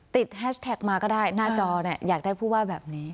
แฮชแท็กมาก็ได้หน้าจอเนี่ยอยากได้ผู้ว่าแบบนี้